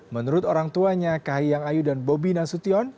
menurut orang tuanya kahiyang ayu dan bobi nasution